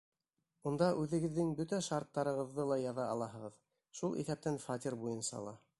Унда үҙегеҙҙең бөтә шарттарығыҙҙы ла яҙа алаһығыҙ, шул иҫәптән фатир буйынса ла.